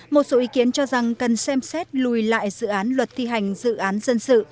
một số ý kiến cho rằng cần xem xét lùi lại dự án luật thi hành dự án dân sự